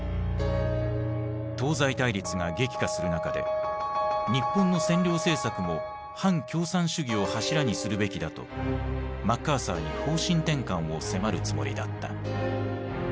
東西対立が激化する中で日本の占領政策も反共産主義を柱にするべきだとマッカーサーに方針転換を迫るつもりだった。